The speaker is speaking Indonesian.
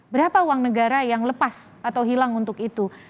berapa uang negara yang lepas atau hilang untuk itu